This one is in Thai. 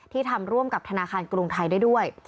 ทำร่วมกับธนาคารกรุงไทยได้ด้วย